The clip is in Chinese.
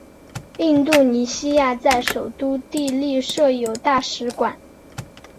印度尼西亚在首都帝力设有大使馆。